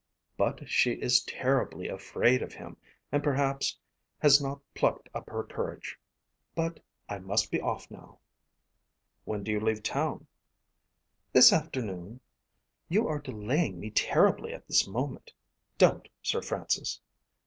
But she is terribly afraid of him and perhaps has not plucked up her courage. But I must be off now." "When do you leave town?" "This afternoon. You are delaying me terribly at this moment. Don't, Sir Francis!"